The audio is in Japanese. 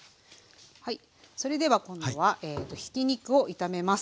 それでは今度はひき肉を炒めます。